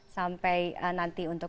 sampai nanti untuk